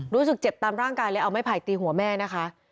รู้สึกเจ็บตามร่างกายเลยเอาไม้ไผ่ตีหัวแม่นะคะ